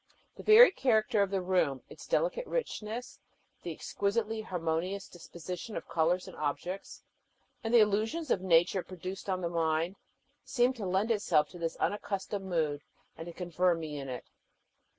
The very character of the room its delicate richness, the exquisitely harmonious disposition of colors and objects, and the illusions of nature produced on the mind seemed to lend itself to this unaccustomed mood, and to confirm me in it.